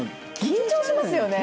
緊張しますよね。